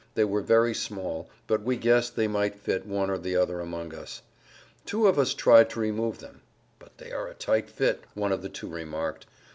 They were very small, but we guessed they might fit one or the other amongst us. Two of us tried to remove them. "But they are a tight fit," one of the two remarked.